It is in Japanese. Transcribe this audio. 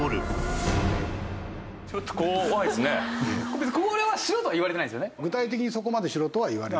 別にこれは「しろ」とは言われてないんですよね？